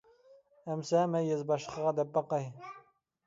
ئەمىسە، مەن يېزا باشلىقىغا دەپ باقاي.